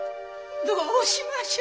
どうしましょう。